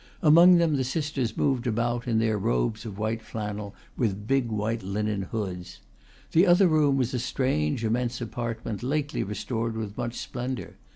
Among them the sisters moved about, in their robes of white flannel, with big white linen hoods. The other room was a strange, immense apartment, lately restored with much splendor.